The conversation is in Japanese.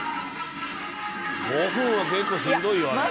「５分は結構しんどいよあれ」